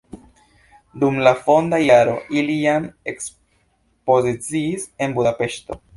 Dum la fonda jaro ili jam ekspoziciis en Budapeŝto.